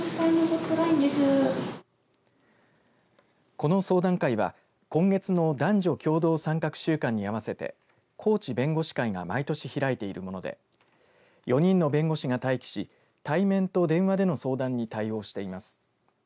この相談会は今月の男女共同参画週間に合わせて高知弁護士会が毎年開いているもので４人の弁護士が待機し対面と電話での相談に対応しています。